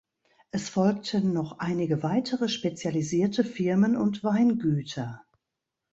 Es folgten noch einige weitere, spezialisierte Firmen und Weingüter.